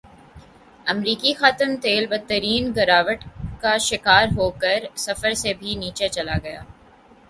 امریکی خام تیل بدترین گراوٹ کا شکار ہوکر صفر سے بھی نیچے چلا گیا